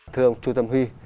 thưa ông chú tâm huy